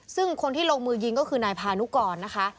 ซึ่งคนที่ลงมือยิงก็คือนายพานุกรนะคะ